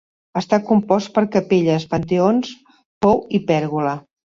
Està compost per capelles, panteons, pou i pèrgola.